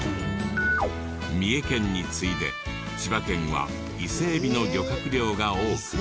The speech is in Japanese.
三重県に次いで千葉県は伊勢エビの漁獲量が多く。